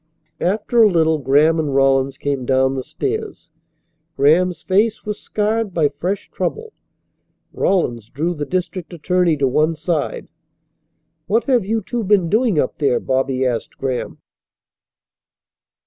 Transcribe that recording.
After a little Graham and Rawlins came down the stairs. Graham's face was scarred by fresh trouble. Rawlins drew the district attorney to one side. "What have you two been doing up there?" Bobby asked Graham.